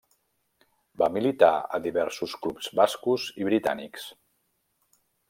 Va militar a diversos clubs bascos i britànics.